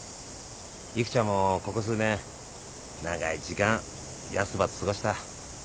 育ちゃんもここ数年長い時間ヤスばと過ごした。